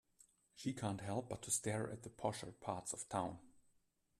She can't help but to stare at the posher parts of town.